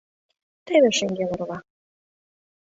Теве шеҥгел орва!